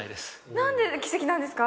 なんで奇跡なんですか？